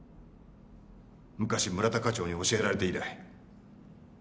昔村田課長に教えられて以来。